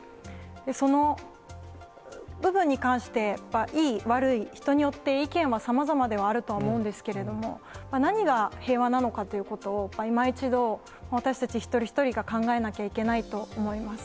その部分に関しては、いい、悪い、人によって、意見はさまざまではあるとは思うんですけれども、何が平和なのかということを、いま一度私たち一人一人が考えなきゃいけないと思います。